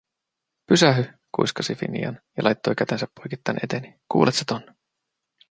"Pysähy", kuiskasi Finian ja laittoi kätensä poikittain eteeni, "kuuletsä ton?"